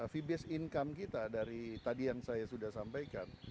fee based income kita dari tadi yang saya sudah sampaikan